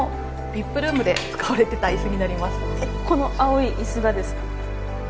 この青い椅子がですか。